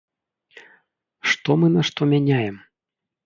Што мы на што мяняем?